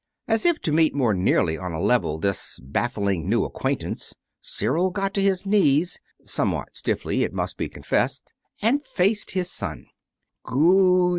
As if to meet more nearly on a level this baffling new acquaintance, Cyril got to his knees somewhat stiffly, it must be confessed and faced his son.